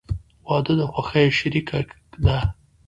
• واده د خوښیو شریکه ده.